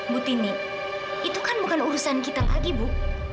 bu tini itu kan bukan urusan kita lagi bu